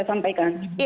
silahkan mbak putri